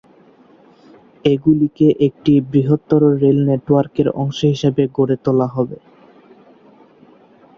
এগুলিকে একটি বৃহত্তর রেল নেটওয়ার্কের অংশ হিসেবে গড়ে তোলা হবে।